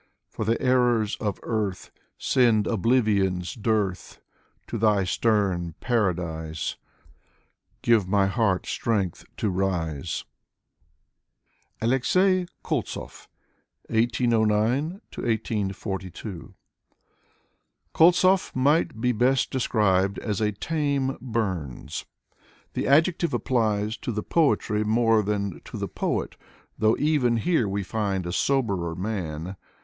For the errors of earth Send oblivion's dearth ; To thy stern paradise Give my heart strength to rise. Alexey Koltzov (1809 1842) Koltzov might best be described as a tame Burns. The adjective applies to the poetry more than to the poet, though even here we find a soberer man.